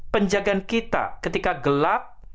penjagaan kita ketika gelap